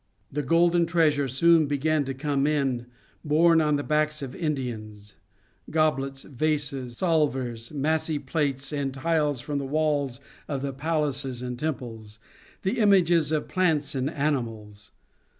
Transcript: The golden treasure soon began to come in, borne on the backs of Indians, goblets, vases, salvers, massy plates and tiles from the walls of palaces and temples, and images of plants and animals.